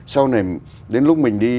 sau này đến lúc mình đi